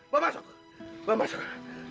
mau masuk mau masuk